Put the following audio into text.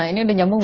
ini udah nyambung